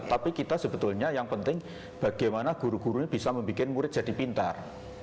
tapi kita sebetulnya yang penting bagaimana guru guru ini bisa membuat murid jadi pintar